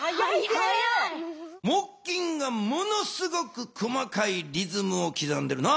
木琴がものすごく細かいリズムをきざんでるな。